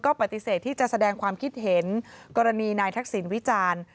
ปฏิเสธที่จะแสดงความคิดเห็นกรณีนายทักษิณวิจารณ์